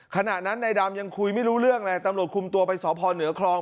ขณะนั้นนายดำยังคุยไม่รู้เรื่องเลยตำรวจคุมตัวไปสพเหนือคลอง